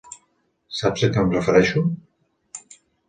Saps a què em refereixo?